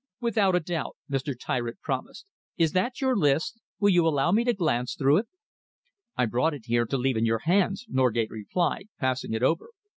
"Without a doubt," Mr. Tyritt promised. "Is that your list? Will you allow me to glance through it?" "I brought it here to leave in your hands," Norgate replied, passing it over.